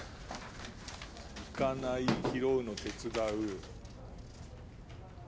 行かない拾うの手伝う。